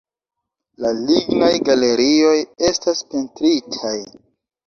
La lignaj galerioj estas pentritaj.